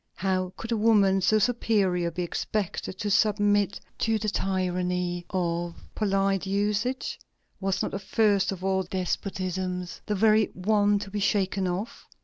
How could a woman so superior be expected to submit to the tyranny of polite usages? Was not the first of all despotisms the very one to be shaken off?